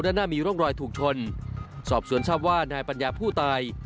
ด้านหน้ามีร่องรอยถูกชนสอบสวนทราบว่านายปัญญาผู้ตาย